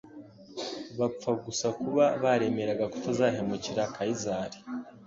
bapfa gusa kuba baremeraga kutazahemukira Kayizari